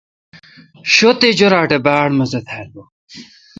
شہ تے جویراٹ اے° باڑ مزہ تھال۔